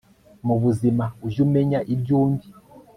mubuzima ujye umenya ibyundi